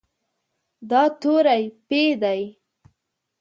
دا توری "پ" دی.